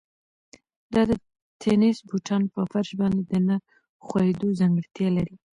دا د تېنس بوټان په فرش باندې د نه ښویېدو ځانګړتیا لري.